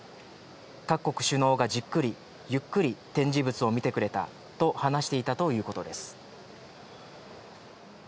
各国首脳がじっくり、ゆっくり展示物を見てくれたと話していたということです。